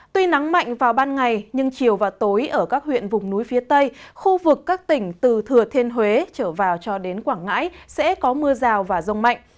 tuy nắng mạnh vào ban ngày nhưng chiều và tối ở các huyện vùng núi phía tây khu vực các tỉnh từ thừa thiên huế trở vào cho đến quảng ngãi sẽ có mưa rào và rông mạnh